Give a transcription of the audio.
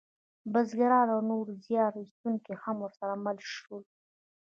بزګران او نور زیار ایستونکي هم ورسره مل شول.